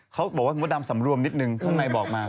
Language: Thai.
เขาบอกว่าคุณพระดำสำรวมนิดนึงข้างในบอกมา